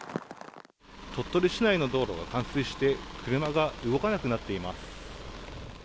鳥取市内の道路が冠水して車が動かなくなっています。